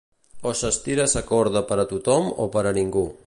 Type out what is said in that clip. O s'estira sa corda per a tothom o per a ningú.